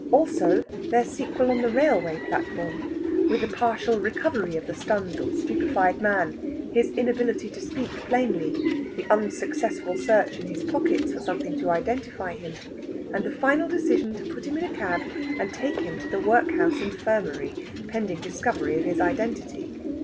Also their sequel on the railway platform, with the partial recovery of the stunned or stupefied man, his inability to speak plainly, the unsuccessful search in his pockets for something to identify him, and the final decision to put him in a cab and take him to the workhouse infirmary, pending discovery of his identity.